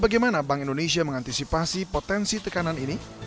bagaimana bank indonesia mengantisipasi potensi tekanan ini